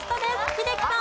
英樹さん。